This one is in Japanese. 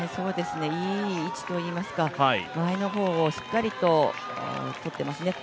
いい位置といいますか前の方をしっかりと取っていますね。